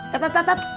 tat tat tat